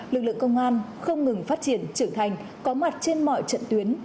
lực lượng công an không ngừng phát triển trưởng thành có mặt trên mọi trận tuyến